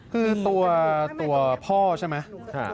คือตัวพ่อใช่ไหม